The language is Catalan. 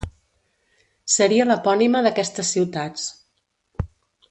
Seria l'epònima d'aquestes ciutats.